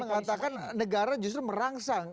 bang pegah mengatakan negara justru merangsang